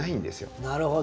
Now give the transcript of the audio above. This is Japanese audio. なるほど。